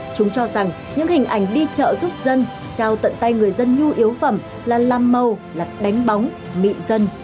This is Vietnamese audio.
chúng cho rằng những hình ảnh đi chợ giúp dân trao tận tay người dân nhu yếu phẩm là làm màu là đánh bóng mịn dân